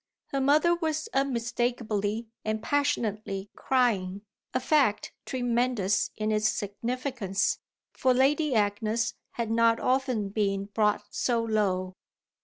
Her mother was unmistakably and passionately crying a fact tremendous in its significance, for Lady Agnes had not often been brought so low.